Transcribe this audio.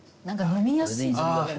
何か飲みやすい。